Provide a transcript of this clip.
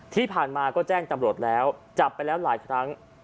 ที่ผ่านมาก็แจ้งตำรวจแล้วจับไปแล้วหลายครั้ง